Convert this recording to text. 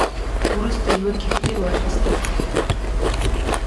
وروسته یې یوه کښتۍ واخیسته.